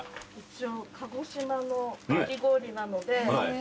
一応鹿児島のかき氷なので。